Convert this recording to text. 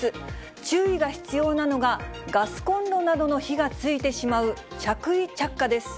注意が必要なのが、ガスコンロなどの火がついてしまう着衣着火です。